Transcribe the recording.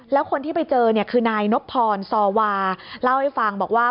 แล้วคนที่ไปเจอเนี่ยคือนายนบพรซอวาเล่าให้ฟังบอกว่า